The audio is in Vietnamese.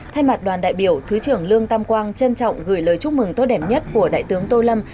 thay mặt đoàn đại biểu thứ trưởng lương tam quang trân trọng gửi lời chúc mừng tốt đẹp nhất của đại tướng tô lâm